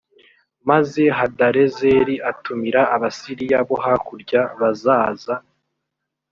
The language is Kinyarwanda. maze hadarezeri atumira abasiriya bo hakurya bazaza